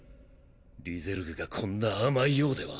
リゼルグがこんな甘いようでは。